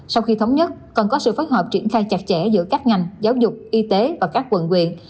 sau khi thống nhất còn có sự phối hợp triển khai chặt chẽ giữa các ngành giáo dục y tế và các quận quyện